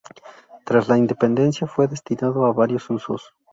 Tras la independencia fue destinado a varios usos.